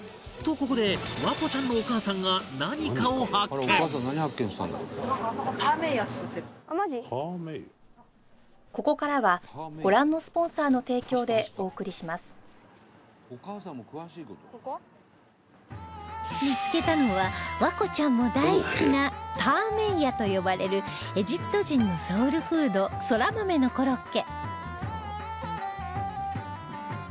ここで環子ちゃんの見つけたのは環子ちゃんも大好きなターメイヤと呼ばれるエジプト人のソウルフードそら豆のコロッケ